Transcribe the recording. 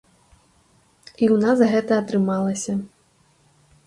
І ў нас гэта атрымалася.